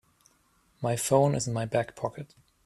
My phone is in my back pocket.